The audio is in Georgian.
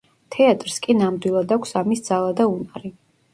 თეატრს კი ნამდვილად აქვს ამის ძალა და უნარი.